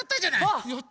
あっ！